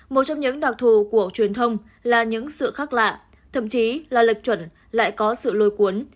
một trong những đặc thù của truyền thông là những sự khác lạ thậm chí là lệch chuẩn lại có sự lôi cuốn